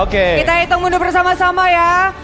kita hitung mundur bersama sama ya